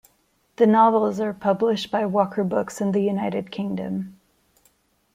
The novels are published by Walker Books in the United Kingdom.